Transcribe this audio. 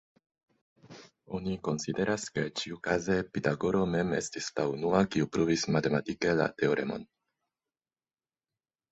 Oni konsideras ke ĉiukaze Pitagoro mem estis la unua kiu pruvis matematike la teoremon.